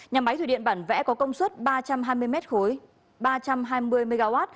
nhà máy thủy điện bản vẽ có công suất ba trăm hai mươi m ba trăm hai mươi mw